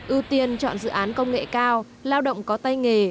ưu tiên chọn dự án công nghệ cao lao động có tay nghề